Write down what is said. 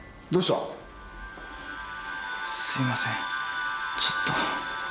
すいませんちょっと。